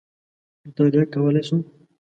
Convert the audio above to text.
مطالعه کولای شو.